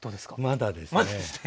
まだですね！